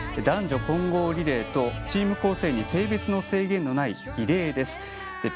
男女混合リレーとチーム構成に性別の制限のないリレーです。